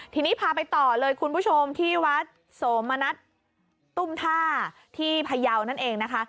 ทีนี้พาไปต่อเลยคุณผู้ชมที่วัดโสมณัฐตุ้มท่าที่พยาวนั่นเองนะคะ